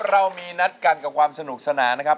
เรามีนัดกันกับความสนุกสนานนะครับ